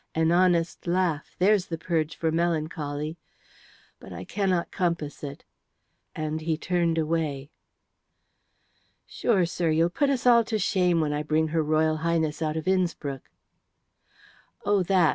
An honest laugh, there's the purge for melancholy. But I cannot compass it," and he turned away. "Sure, sir, you'll put us all to shame when I bring her Royal Highness out of Innspruck." "Oh, that!"